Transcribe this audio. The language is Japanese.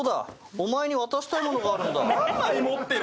お前に渡したい物があるんだ。